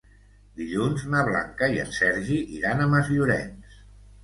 Dilluns na Blanca i en Sergi iran a Masllorenç.